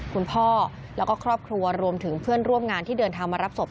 คุณพ่อแล้วก็ครอบครัวรวมถึงเพื่อนร่วมงานที่เดินทางมารับศพ